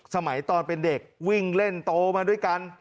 สมัยตอนเป็นเด็กวิ่งเล่นโตมาด้วยกัน